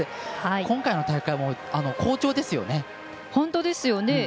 今回の大会も好調ですよね。